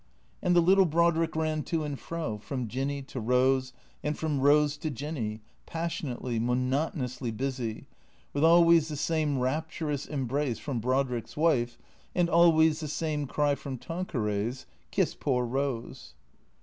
And the little Brodrick ran to and fro, from Jinny to Eose and from Eose to Jinn}^ passionately, monotonously busy, with always the same rapturous embrace from Brodrick's wife and always the same cry from Tanqueray's, " Kiss poor Eose